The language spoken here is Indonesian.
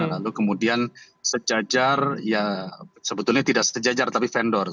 lalu kemudian sejajar ya sebetulnya tidak sejajar tapi vendor